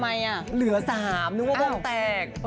ทำไมลือ๓นึกว่าวงแตก